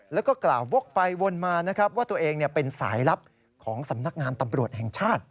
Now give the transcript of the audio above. แล้วก็กล่าววกไปวนมานะครับว่าตัวเองเป็นสายลับของสำนักงานตำรวจแห่งชาติ